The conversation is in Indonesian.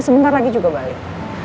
sebentar lagi juga balik